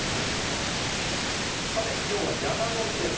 さて、きょうは山の日です。